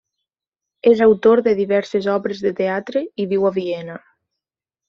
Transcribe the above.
És autor de diverses obres de teatre i viu a Viena.